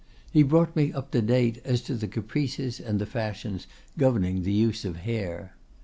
He brought me up to date as to the caprices and fashions governing the use of hair.